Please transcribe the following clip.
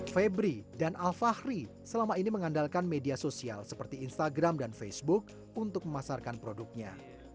febri dan alfahri selama ini mengandalkan media sosial seperti instagram dan facebook untuk memasarkan produknya